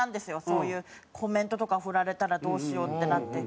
そういうコメントとか振られたらどうしようってなって。